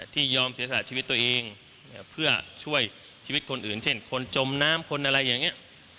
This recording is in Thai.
ที่ยอมเสียสละชีวิตตัวเองเพื่อช่วยชีวิตคนอื่นเช่นคนจมน้ำคนอะไรอย่างนี้